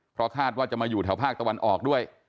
เพราะคาดว่าจะมาอยู่แถวภาคตะวันออกด้วย